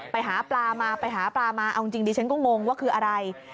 ไปหาปลามาไปหาปลามาเอาจริงดิฉันก็งงว่าคืออะไร